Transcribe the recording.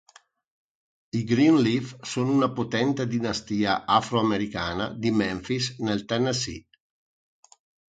I Greenleaf sono una potente dinastia afroamericana di Memphis, nel Tennessee.